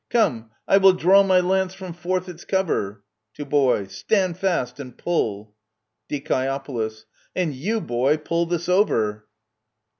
Come, I will draw my lance from forth its cover, (To Boy) Stand fast, and pulL Die. And you, boy, pull this over